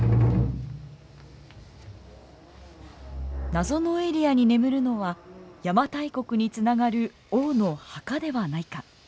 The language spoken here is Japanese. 謎のエリアに眠るのは邪馬台国につながる王の墓ではないか。